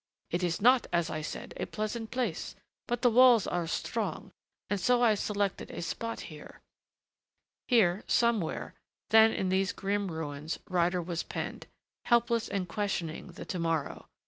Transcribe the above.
It is not, as I said, a pleasant place, but the walls are strong and so I selected a spot here " Here, somewhere, then, in these grim ruins, Ryder was penned, helpless and questioning the to morrow.